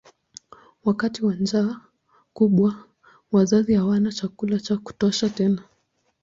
Wakati wa njaa kubwa wazazi hawana chakula cha kutosha tena.